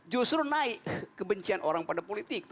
justru naik kebencian orang pada politik